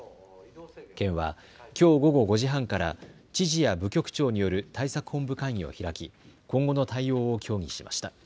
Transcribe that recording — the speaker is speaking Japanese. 県はきょう午後５時半から知事や部局長による対策本部会議を開き今後の対応を協議しました。